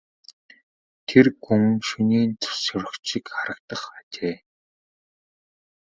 Тэр гүн шөнийн цус сорогч шиг харагдах ажээ.